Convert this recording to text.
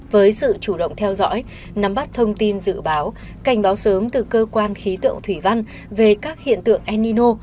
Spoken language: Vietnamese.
với sự chủ động theo dõi nắm bắt thông tin dự báo cảnh báo sớm từ cơ quan khí tượng thủy văn về các hiện tượng enino